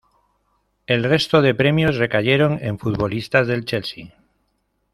El resto de premios recayeron en futbolistas del Chelsea.